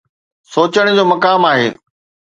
سوچڻ جو مقام آهي.